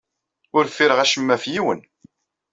Ur ffireɣ acemma ɣef yiwen.